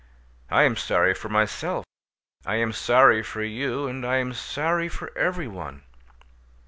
I am sorry for myself; I am sorry for you; and I am sorry for every one."